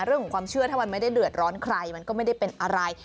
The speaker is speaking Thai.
เรื่องของความเชื่อถ้ามันไม่ได้เดือดร้อนใครมันก็ไม่ได้เป็นอะไร